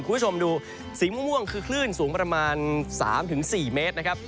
คุณผู้ชมดูสีม่วงคือคลื่นสูงประมาณ๓๔เมตรนะครับ